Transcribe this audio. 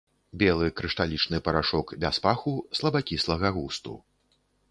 Белы крышталічны парашок без паху, слабакіслага густу.